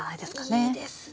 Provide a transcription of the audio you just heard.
あいいですね！